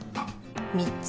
３つ。